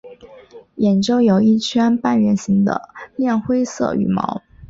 眼周有一圈半月形的亮灰色羽毛。